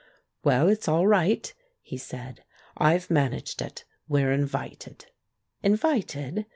"Well, it's all right," he said; "I've managed it. We're invited." "Invited?"